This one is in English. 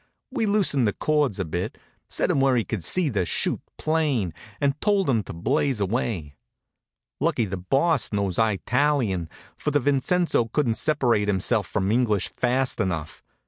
We loosened the cords a bit, set him where he could see the chute plain, and told him to blaze away. Lucky the Boss knows Eye talyun, for old Vincenzo couldn't separate himself from English fast enough.